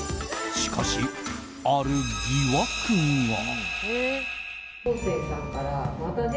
しかし、ある疑惑が。